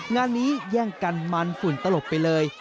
งานนี้แย่งกันมันฝุ่นตลบไปเลย